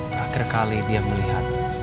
terakhir kali dia melihat